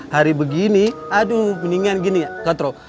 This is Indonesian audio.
hari begini aduh mendingan gini kak tro